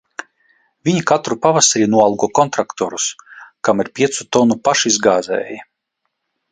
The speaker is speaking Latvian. Viņi katru pavasari noalgo kontraktorus, kam ir piecu tonnu pašizgāzēji.